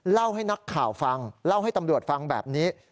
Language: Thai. เล่าให้นักข่าวฟังเล่าให้ตำรวจฟังแบบนี้